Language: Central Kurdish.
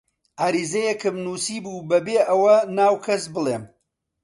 عەریزەیەکم نووسیبوو بەبێ ئەوە ناو کەس بڵێم: